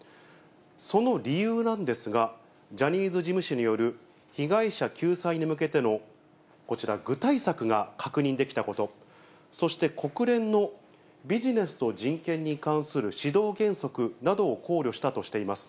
その理由なんですが、ジャニーズ事務所による被害者救済に向けてのこちら、具体策が確認できたこと、そして国連のビジネスと人権に関する指導原則などを考慮したとしています。